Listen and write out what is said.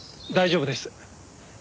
大丈夫です。